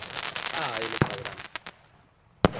Ah, eles saberán.